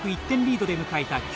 １点リードで迎えた